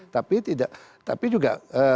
tapi tidak tapi juga